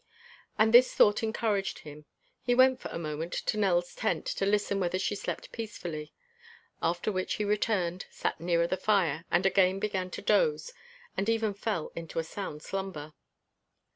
And this thought encouraged him. He went for a moment to Nell's tent to listen whether she slept peacefully; after which he returned, sat nearer the fire, and again began to doze and even fell into a sound slumber.